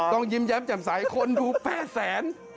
ยิ้มแย้มแจ่มใสคนดูแป้แสน